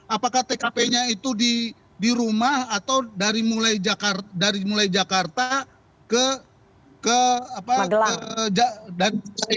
apakah tkp nya itu di rumah atau dari mulai jakarta ke